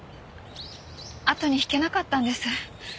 あとに引けなかったんです。